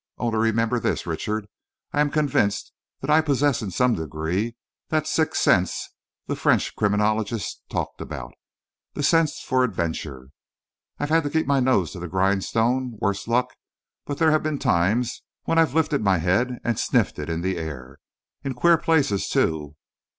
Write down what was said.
Only remember this, Richard. I am convinced that I possess in some degree that sixth sense the French criminologist talked about, the sense for Adventure. I've had to keep my nose to the grindstone, worse luck, but there have been times when I've lifted my head and sniffed it in the air. In queer places, too!